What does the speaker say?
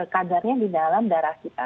kadarnya di dalam darah kita